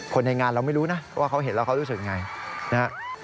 คนในงานเราไม่รู้นะว่าเขาเห็นแล้วเขารู้สึกยังไงนะฮะ